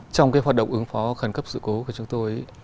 trong cái hoạt động ứng phó khẩn cấp sự cố của chúng tôi